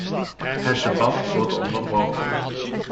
Het debat wordt onderbroken.